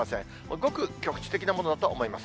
ごく局地的なものだとは思います。